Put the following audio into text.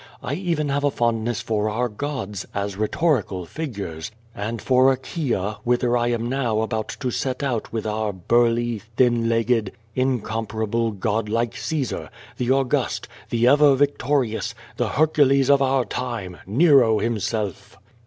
I even have a fondness for our gods, as rhetorical figures, and for Achaia, whither I am now about to set out with our burly, thin legged, incomparable, god like Caesar, the August, the Ever Victorious, the Hercules of our time — Nero himself."